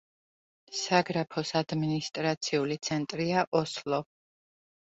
საგრაფოს ადმინისტრაციული ცენტრია ოსლო.